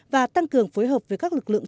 và tăng cường phối hợp với các lực lượng